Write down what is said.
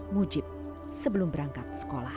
mujib sebelum berangkat sekolah